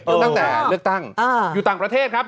ตั้งแต่เลือกตั้งอยู่ต่างประเทศครับ